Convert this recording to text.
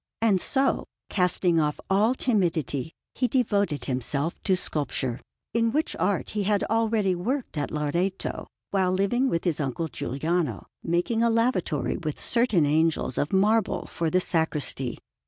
And so, casting off all timidity, he devoted himself to sculpture, in which art he had already worked at Loreto while living with his uncle Giuliano, making a lavatory with certain angels of marble for the sacristy.